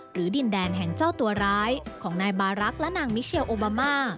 ดินแดนแห่งเจ้าตัวร้ายของนายบารักษ์และนางมิเชียลโอบามา